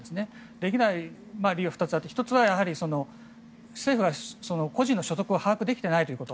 できない理由は２つあって１つは政府が個人の所得を把握できていないということ。